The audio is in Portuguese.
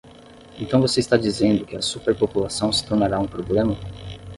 Então você está dizendo que a superpopulação se tornará um problema?